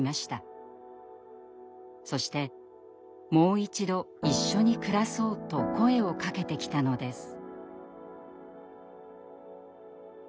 そして「もう一度一緒に暮らそう」と声をかけてきたのです。